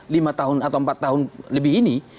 lima tahun atau empat tahun lebih ini